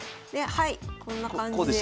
はいこんな感じで。